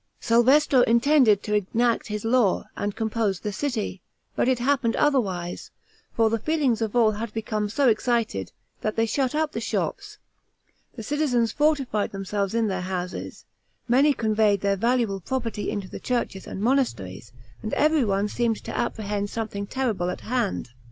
Salvestro intended to enact his law, and compose the city; but it happened otherwise; for the feelings of all had become so excited, that they shut up the shops; the citizens fortified themselves in their houses; many conveyed their valuable property into the churches and monasteries, and everyone seemed to apprehend something terrible at hand.